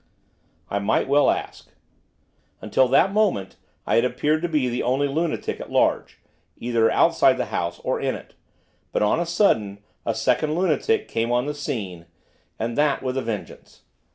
I might well ask. Until that moment I had appeared to be the only lunatic at large, either outside the house or in it, but, on a sudden, a second lunatic came on the scene, and that with a vengeance.